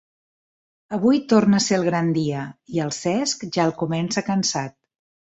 Avui torna a ser el gran dia, i el Cesc ja el comença cansat.